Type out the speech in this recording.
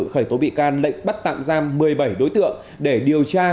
khởi tố bị can lệnh bắt tạm giam một mươi bảy đối tượng để điều tra